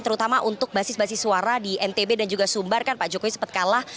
terutama untuk basis basis suara di ntb dan juga sumbar kan pak jokowi sempat kalah